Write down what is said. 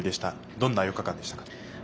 どんな４日間でしたか？